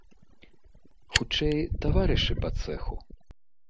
Хутчэй, таварышы па цэху.